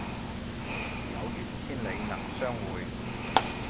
有緣千里能相會